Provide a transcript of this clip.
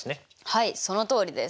はいそのとおりです。